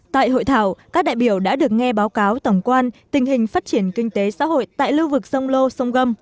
tại hội thảo các đại biểu đã được nghe báo cáo tổng quan tình hình phát triển kinh tế xã hội tại lưu vực sông lô sông gâm